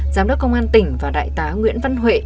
giám đốc công an tỉnh và đại tá nguyễn văn huệ